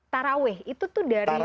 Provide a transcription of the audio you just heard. taraweh itu tuh dari asal katanya